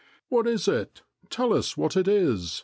"What is it? Tell us what it is